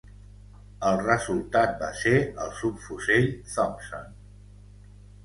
El resultat va ser el Subfusell Thompson.